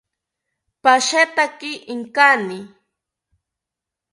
Pashetaki inkani